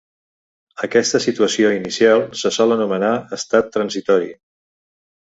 Aquesta situació inicial se sol anomenar estat transitori.